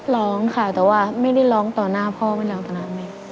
ร้องค่ะแต่ว่าไม่ได้ร้องต่อหน้าพ่อไปแล้วตอนนั้น